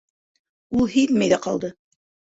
Ул һиҙмәй ҙә ҡалды.